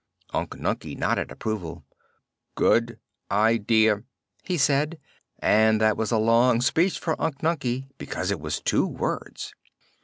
Unc Nunkie nodded approval. "Good i dea," he said; and that was a long speech for Unc Nunkie because it was two words.